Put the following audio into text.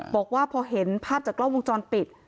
บอกว่าพอเห็นภาพจากกล้องวงจรปิด